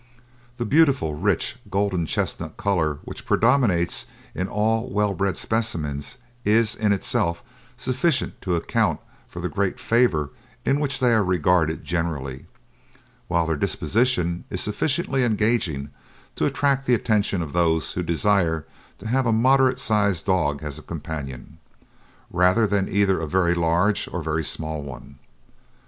The beautiful rich golden, chestnut colour which predominates in all well bred specimens is in itself sufficient to account for the great favour in which they are regarded generally, while their disposition is sufficiently engaging to attract the attention of those who desire to have a moderate sized dog as a companion, rather than either a very large or very small one.